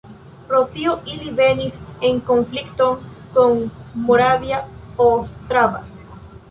Pro tio ili venis en konflikton kun Moravia Ostrava.